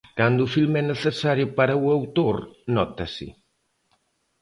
Cando o filme é necesario para o autor, nótase.